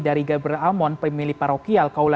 dari gabriel almon pemilih parokial